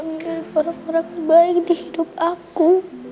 mencari orang orang baik di hidup aku